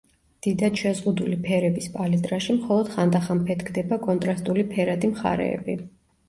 დიდად შეზღუდული ფერების პალიტრაში მხოლოდ ხანდახან ფეთქდება კონტრასტული ფერადი მხარეები.